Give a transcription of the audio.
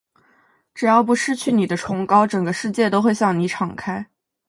只要不失去你的崇高，整个世界都会向你敞开。